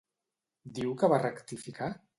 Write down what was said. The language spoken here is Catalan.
Diu que va rectificar?